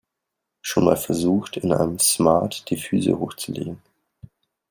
Schon mal versucht, in einem Smart die Füße hochzulegen?